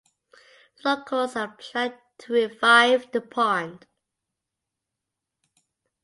Locals are planning to revive the pond.